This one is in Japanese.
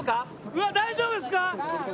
うわっ大丈夫ですか？